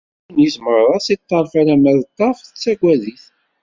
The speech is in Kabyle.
Ddunit merra, si ṭṭerf alamma d ṭṭerf, tettaggad-it.